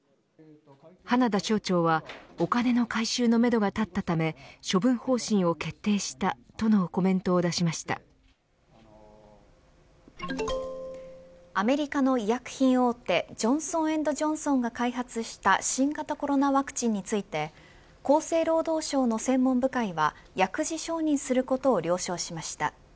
花田町長はお金の回収のめどが立ったため処分方針を決定したとのコメントを出しましアメリカの医薬品大手ジョンソン・エンド・ジョンソンが開発した新型コロナワクチンについて厚生労働省の専門部会は薬事承認することを了承しました。